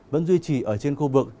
vẫn duy trì ở trên khu vực